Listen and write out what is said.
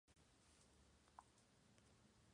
Estaba ubicado en el actual municipio de Sogamoso.